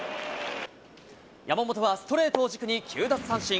山本はストレートを軸に９奪三振。